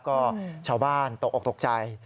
ก็ชาวบ้านตกออกตกใจ